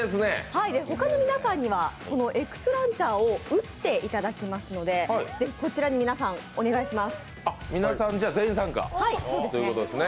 他の皆さんには「Ｘランチャー」を打っていただきますのでぜひこちらに皆さんお願いします。